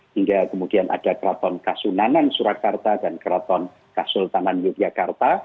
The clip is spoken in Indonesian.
hingga kemudian ada keraton kasunanan surakarta dan keraton kasultanan yogyakarta